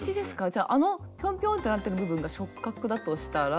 じゃああのピョンピョンってなってる部分が触角だとしたら。